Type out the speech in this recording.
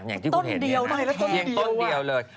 อย่างที่คุณเห็นเนี่ยต้นเดียวเลย